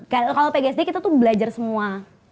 kalau pg sd kita tuh belajar semua